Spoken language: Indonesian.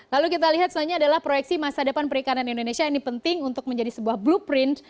lalu kita lihat selanjutnya adalah proyeksi masa depan perikanan indonesia ini penting untuk menjadi sebuah blueprint